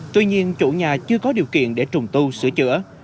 tuy nhiên chủ nhà chưa có điều kiện để trùng tu sửa chữa